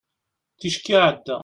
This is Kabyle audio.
ticki iɛedda